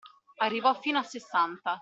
Arrivò fino a sessanta.